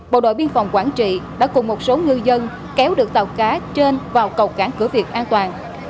bộ đội biên phòng quảng trị đã cùng một số ngư dân kéo được tàu cá trên vào cầu cảng cửa việt an toàn